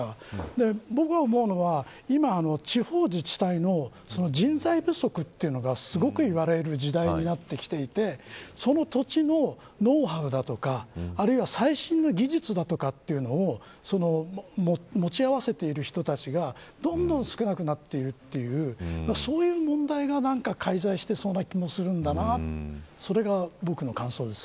僕が思うのは地方自治体の人材不足というのが今、すごく言われる時代になってきてその土地のノウハウだとかあるいは最新の技術だとかいうの持ち合わせている人たちがどんどん少なくなっているという問題が介在していそうな気がするそれが僕の感想です。